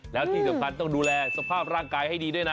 แล้วที่สำคัญต้องดูแลสภาพร่างกายให้ดีด้วยนะ